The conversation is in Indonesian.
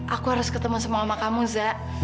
aku harus ketemu sama kamu za